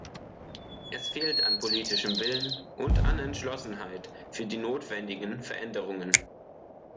Es fehlt an politischem Willen und an Entschlossenheit für die notwendigen Veränderungen.